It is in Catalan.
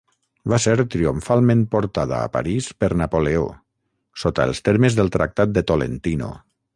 Va ser triomfalment portada a París per Napoleó sota els termes del Tractat de Tolentino.